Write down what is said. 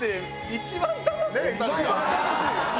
一番楽しい！